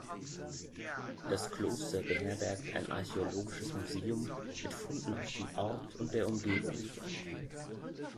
Das Kloster beherbergt ein archäologisches Museum mit Funden aus dem Ort und der Umgebung.